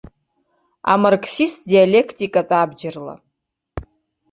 Амарксист диалектикатә абџьарла.